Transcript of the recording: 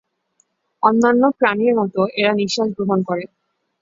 অন্যান্য প্রাণীর মত এরা নিশ্বাস গ্রহণ করে।